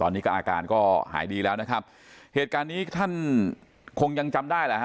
ยังหายดีแล้วเหตุการณ์นี้ท่านคงยังจำได้